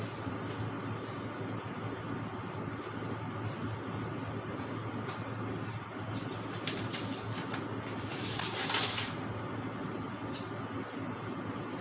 สวัสดีครับสวัสดีครับ